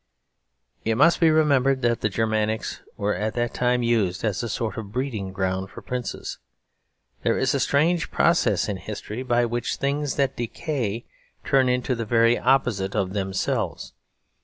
It must be remembered that the Germanics were at that time used as a sort of breeding ground for princes. There is a strange process in history by which things that decay turn into the very opposite of themselves.